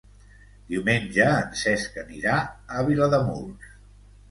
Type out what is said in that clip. Diumenge en Cesc anirà a Vilademuls.